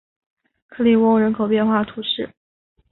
克利翁人口变化图示